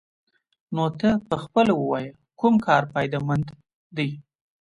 نو ته پخپله ووايه کوم کار فايده مند دې.